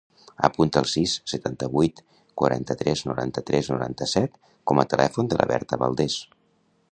Apunta el sis, setanta-vuit, quaranta-tres, noranta-tres, noranta-set com a telèfon de la Berta Valdes.